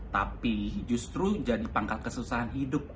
tapi justru jadi pangkal kesusahan hidup